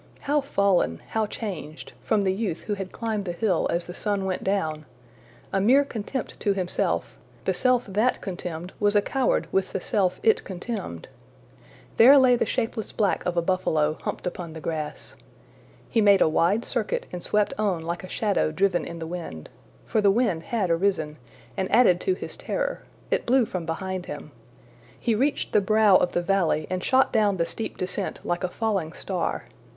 ``How fallen, how changed,'' from the youth who had climbed the hill as the sun went down! A mere contempt to himself, the self that contemned was a coward with the self it contemned! There lay the shapeless black of a buffalo, humped upon the grass. He made a wide circuit and swept on like a shadow driven in the wind. For the wind had arisen, and added to his terror: it blew from behind him. He reached the brow of the valley and shot down the steep descent like a falling star.